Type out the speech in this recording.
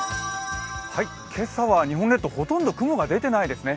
今朝は日本列島、ほとんど雲が出ていないですね。